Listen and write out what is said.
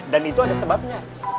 dan itu ada sebabnya